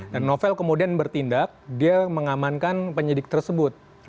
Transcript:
dan novel kemudian bertindak dia mengamankan penyidik tersebut